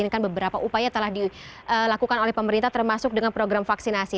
ini kan beberapa upaya telah dilakukan oleh pemerintah termasuk dengan program vaksinasi